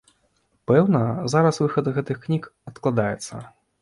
Пэўна, зараз выхад гэтых кніг адкладаецца.